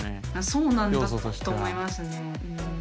そうなんだと思いますね。